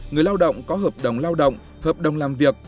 người lao động có hợp đồng lao động hợp đồng làm việc